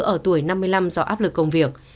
ở tuổi năm mươi năm do áp lực công việc